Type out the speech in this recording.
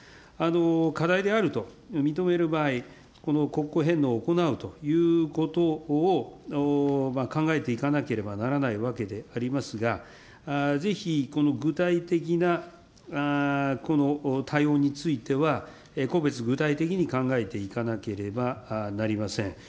課題であると認める場合、この国庫返納を行うということを考えていかなければならないわけでありますが、ぜひこの具体的な対応については、個別具体的に考えていかなければなりません。